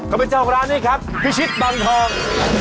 เขาเป็นเจ้าของร้านนี้ครับพิชิตบังทอง